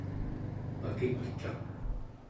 makikcaq